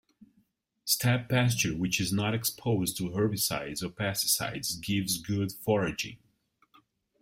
Steppe pasture which is not exposed to herbicides or pesticides gives good foraging.